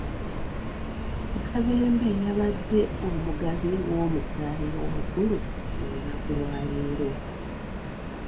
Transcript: Ssekabembe yabadde omugabi w’omusaayi omukulu olunaku lwaleero